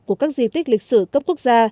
của các di tích lịch sử cấp quốc gia